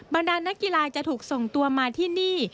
บรรดานนักกีฬาจะถูกส่งตัวมาที่นี่